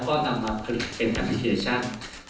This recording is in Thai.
ก็นำมาผลิตเป็นแอปพลิเคชัน